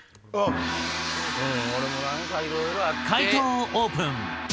解答をオープン。